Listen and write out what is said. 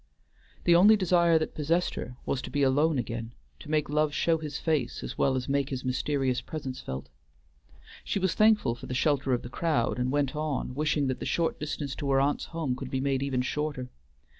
The only desire that possessed her was to be alone again, to make Love show his face as well as make his mysterious presence felt. She was thankful for the shelter of the crowd, and went on, wishing that the short distance to her aunt's home could be made even shorter.